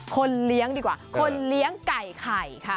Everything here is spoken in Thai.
คนเลี้ยงดีกว่าคนเลี้ยงไก่ไข่ค่ะ